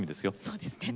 そうですね。